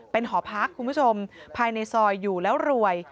เป็นหอพักคุณผู้ชมภายในซอยอยู่แล้วรวย